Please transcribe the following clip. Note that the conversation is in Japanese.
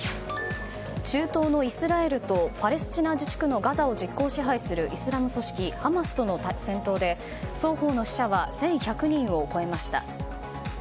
中東のイスラエルとパレスチナ自治区のガザを実効支配するイスラム組織ハマスとの抗争で双方の死者は１１００人を超えました。